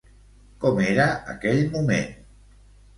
Com era aquell moment?